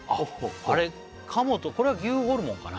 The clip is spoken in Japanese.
あれ鴨とこれは牛ホルモンかな